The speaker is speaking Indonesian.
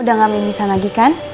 udah gak memisah lagi kan